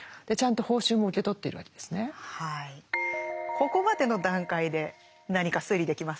ここまでの段階で何か推理できますか？